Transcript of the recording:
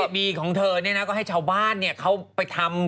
มีของเธอนี่ก็ให้เช่าบ้านเขาไปทำ